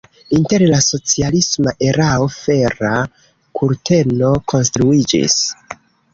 Inter la socialisma erao Fera kurteno konstruiĝis.